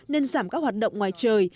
nên giảm các hoạt động ngoài trời